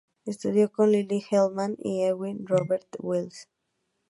Estudió con Lilli Lehmann y Eugen Robert Weiss.